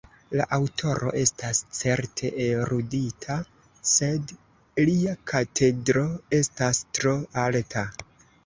La aŭtoro estas certe erudita, sed lia katedro estas tro alta.